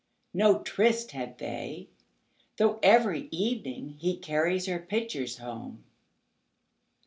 No tryst had they, though every evening heCarries her pitchers home.